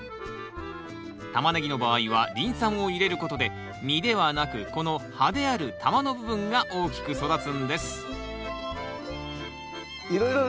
タマネギの場合はリン酸を入れることで実ではなくこの葉である球の部分が大きく育つんですいろいろ